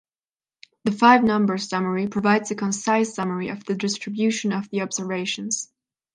The five-number summary provides a concise summary of the distribution of the observations.